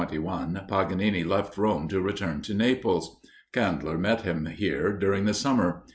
In May, 1821, Paganini left Rome to return to Naples. Kandler met him here during the summer.